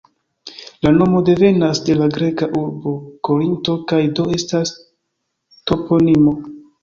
La nomo devenas de la greka urbo Korinto kaj do estas toponimo.